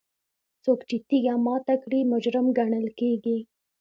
څوک چې تیږه ماته کړي مجرم ګڼل کیږي.